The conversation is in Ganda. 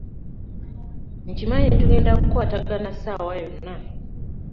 Nkimanyi tugenda kukwatagana ssaawa yonna.